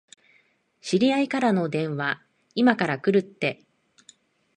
知り合いから電話、いまから来るって。